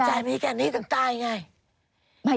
ก็ใจมีแค่นี้จากใต้ไง